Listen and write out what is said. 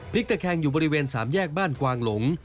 ตะแคงอยู่บริเวณสามแยกบ้านกวางหลง